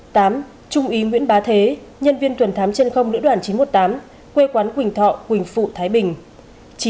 trung úy nguyễn bá thế nhân viên tuần thám trên không lữ đoàn chín trăm một mươi tám quê quán quỳnh thọ quỳnh phụ thái bình